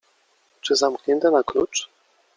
Czy zamknięte na klucz?